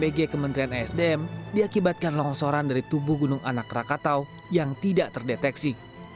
bg kementerian esdm diakibatkan longsoran dari tubuh gunung anak rakatau yang tidak terdeteksi